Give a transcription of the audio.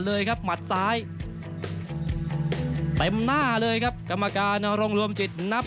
หมัดซ้ายเต็มหน้าเลยครับกรรมการนรงครวมจิตนับ